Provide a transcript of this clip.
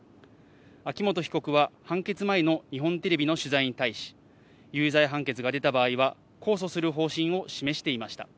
秋元被告は判決前の日本テレビの取材に対し、有罪判決が出た場合は控訴する方針を示していました。